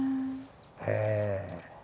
へえ。